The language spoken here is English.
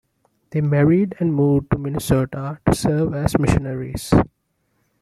They married and moved to Minnesota to serve as missionaries.